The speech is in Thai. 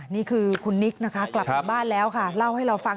นี่คือคุณนิกนะคะกลับมาบ้านแล้วค่ะเล่าให้เราฟัง